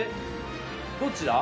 どっちだ？